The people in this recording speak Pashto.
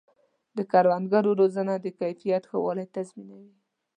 د کروندګرو روزنه د کیفیت ښه والی تضمینوي.